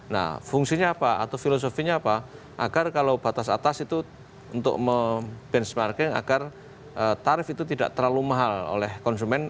nah fungsinya apa atau filosofinya apa agar kalau batas atas itu untuk membenchmarking agar tarif itu tidak terlalu mahal oleh konsumen